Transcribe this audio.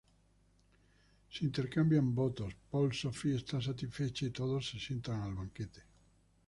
Se intercambian votos, Poll Sophie está satisfecha, y todos se sientan al banquete.